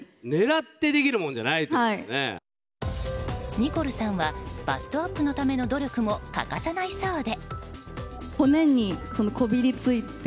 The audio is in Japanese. ニコルさんはバストアップのための努力も欠かさないそうで。